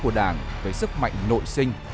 của đảng với sức mạnh nội sinh